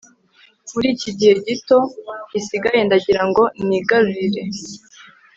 muri kigihe gito gisigaye ndagirango nigarurire